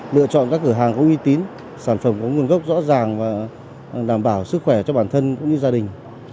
lựa chọn các cửa hàng có uy tín sản phẩm có nguồn gốc rõ ràng và đảm bảo sức khỏe cho bản thân cũng như gia đình